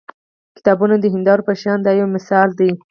کتابونه د هیندارو په شان دي دا یو مثال دی.